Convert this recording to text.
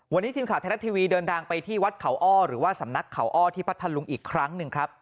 วันนี้ทีมข่าวไทยรัฐทีวีเดินทางไปที่วัดเขาอ้อหรือว่าสำนักเขาอ้อที่พัทธลุงอีกครั้งหนึ่งครับ